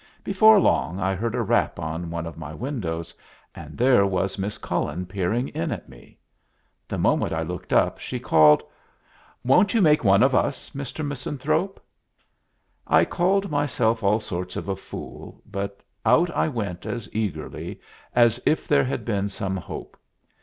Before long I heard a rap on one of my windows, and there was Miss Cullen peering in at me. The moment I looked up, she called, "Won't you make one of us, Mr. Misanthrope?" I called myself all sorts of a fool, but out I went as eagerly as if there had been some hope.